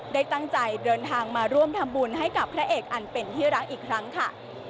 ได้ตั้งใจเดินทางมาร่วมทำบุญให้กับพระเอกอันเป็นที่รักอีกครั้งค่ะ